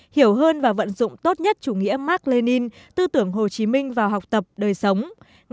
hiểu hơn và vận dụng tốt nhất chủ nghĩa mark lenin tư tưởng hồ chí minh vào học tập đời sống